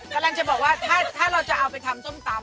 กำลังจะบอกว่าถ้าเราจะเอาไปทำส้มตำ